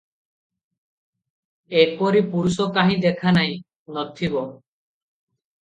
ଏପରି ପୁରୁଷ କାହିଁ ଦେଖା ନାହିଁ, ନ ଥିବ ।